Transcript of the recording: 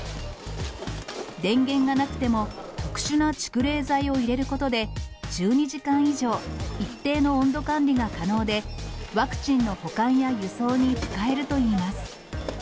電源がなくても、特殊な蓄冷剤を入れることで、１２時間以上、一定の温度管理が可能で、ワクチンの保管や輸送に使えるといいます。